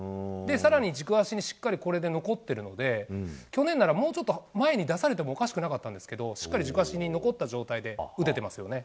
さらに軸足にしっかりこれで残ってるので、去年ならもうちょっと前に出されてもおかしくなかったんですけど、しっかり軸足に残った状態で打ててますよね。